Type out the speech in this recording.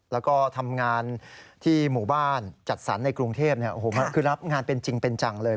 แล้วก็ทำงานที่หมู่บ้านจัดสรรในกรุงเทพคือรับงานเป็นจริงเป็นจังเลย